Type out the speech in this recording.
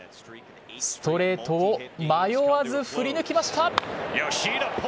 ストレートを迷わず振り抜きました。